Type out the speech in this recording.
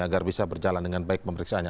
agar bisa berjalan dengan baik pemeriksaannya